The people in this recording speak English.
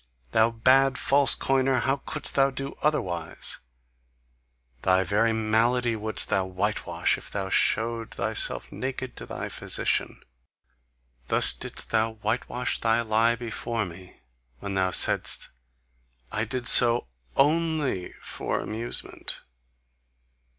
Thou bad false coiner, how couldst thou do otherwise! Thy very malady wouldst thou whitewash if thou showed thyself naked to thy physician. Thus didst thou whitewash thy lie before me when thou saidst: 'I did so ONLY for amusement!